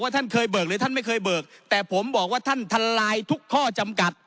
ท่านเคยเบิกหรือท่านไม่เคยเบิกแต่ผมบอกว่าท่านทลายทุกข้อจำกัด